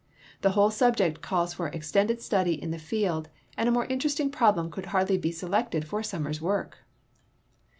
The whole subject calls for extended study in the field, and a more interesting problem could hardly l)e selected for a summer's work.